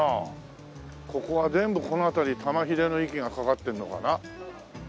ここは全部この辺り玉ひでの息がかかってるのかな？